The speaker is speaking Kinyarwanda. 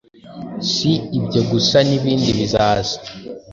Si ibyo gusa nibindi bizaza